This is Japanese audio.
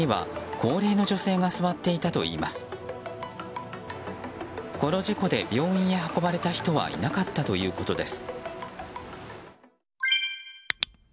この事故で病院へ運ばれた人はいなかったということです。